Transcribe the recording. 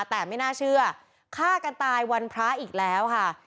แต่ไม่น่าเชื่อฆ่ากันตายวันพระอีกแล้วค่ะ